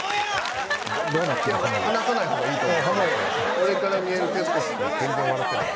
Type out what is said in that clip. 俺から見える徹子さんは全然笑ってない。